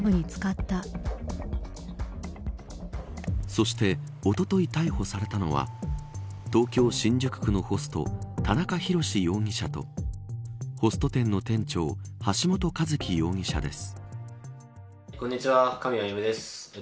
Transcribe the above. そして、おととい逮捕されたのは東京・新宿区のホスト田中裕志容疑者とホスト店の店長橋本一喜容疑者です。